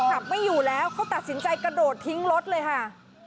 ขับไม่อยู่แล้วเขาตัดสินใจกระโดดทิ้งรถเลยค่ะ